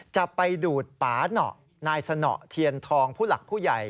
จะไปดูดปาหน่อนายสนอเทียนทองผู้หลักผู้ใหญ่